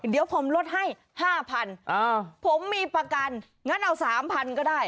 เดี๋ยวผมลดให้๕๐๐ผมมีประกันงั้นเอา๓๐๐ก็ได้